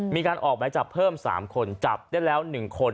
มีการออกไปจับเพิ่มสามคนจับได้แล้วหนึ่งคน